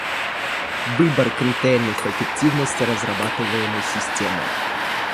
Выбор критериев эффективности разрабатываемой системы